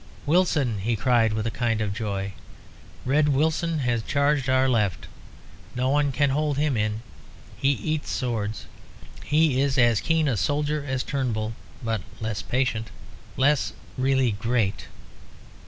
"Wilson!" he cried, with a kind of joy. "Red Wilson has charged our left. No one can hold him in; he eats swords. He is as keen a soldier as Turnbull, but less patient less really great.